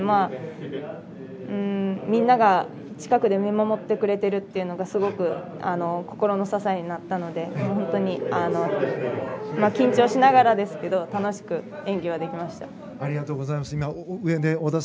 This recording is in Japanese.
みんなが近くで見守ってくれてるというのが心の支えになったので本当に緊張しながらですけど楽しく演技はできました。